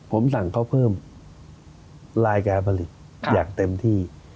ผมสั่งเขาเพิ่มลายการผลิตอย่างเต็มที่